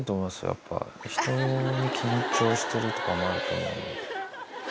やっぱ人に緊張してるとかもあると思う。